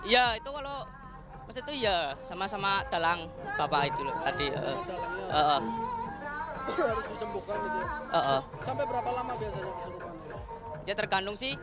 ya itu kalau pasti itu ya sama sama dalang bapak itu tadi